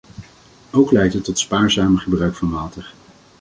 Ook leidt het tot spaarzamer gebruik van water.